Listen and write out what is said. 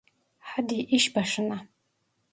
Hadi iş başına.